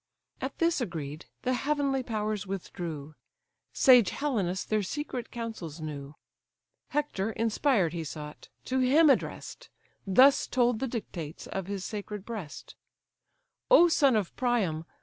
At this agreed, the heavenly powers withdrew; Sage Helenus their secret counsels knew; Hector, inspired, he sought: to him address'd, Thus told the dictates of his sacred breast: "O son of Priam!